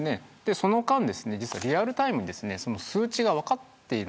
その間、リアルタイムで数値が分かっている。